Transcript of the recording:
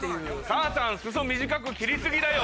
母さん裾短く切り過ぎだよ。